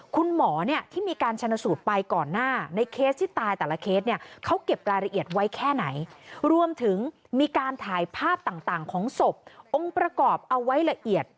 คุณหมอที่มีการชนสูตรไปก่อนหน้าในเคสที่ตายแต่ละเคส